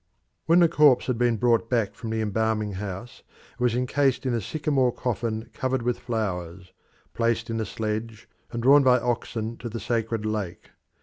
When the corpse had been brought back from the embalming house it was encased in a sycamore coffin covered with flowers, placed in a sledge, and drawn by oxen to the sacred lake.